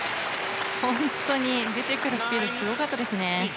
本当に、出てくるスピードすごかったですね。